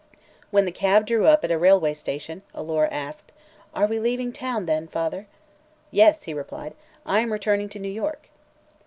When the cab drew up at a railway station, Alora asked: "Are we leaving town, then, father?" "Yes," he replied; "I am returning to New York."